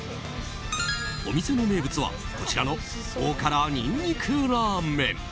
お店の名物は、こちらの大辛にんにくラーメン。